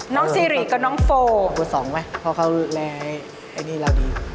น้องซีรีส์กับน้องโฟร์หัวสองไหมเพราะเขาแรงไอ้นี่ราวดี